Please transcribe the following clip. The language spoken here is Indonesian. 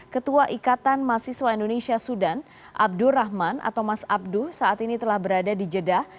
ketua ikatan masiswa indonesia sudan abdur rahman atau mas abduh saat ini telah berada di jeddah